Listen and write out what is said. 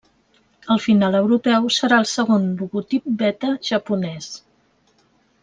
El final europeu serà el segon logotip beta japonès.